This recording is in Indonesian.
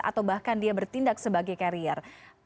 atau bahkan dia bertindak sebagai karier